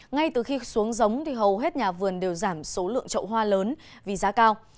ngay từ khi xuống giống hầu hết nhà vườn đều giảm số lượng trậu hoa lớn vì giá cao